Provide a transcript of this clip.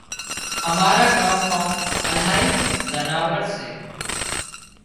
امارا ڳام مان الاهي زناورسي